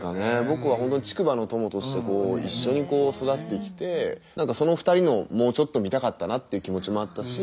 僕は本当に竹馬の友として一緒に育ってきてその２人のもうちょっと見たかったなっていう気持ちもあったし。